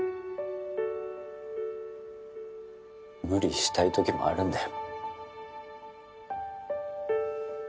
無理したい時もあるんだよ。